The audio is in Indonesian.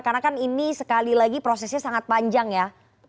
karena kan ini sekali lagi prosesnya sangat panjang ya